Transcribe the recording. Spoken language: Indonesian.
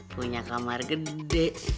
punya kamar gede